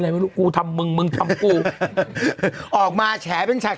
เบลออกมาแฉเป็นฉาก